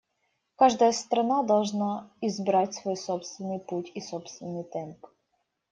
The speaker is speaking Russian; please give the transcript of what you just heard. Каждая страна должна избрать свой собственный путь и собственный темп.